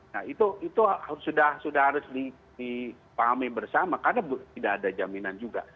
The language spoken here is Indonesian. nah itu sudah harus dipahami bersama karena tidak ada jaminan juga